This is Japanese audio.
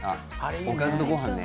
おかずとご飯ね。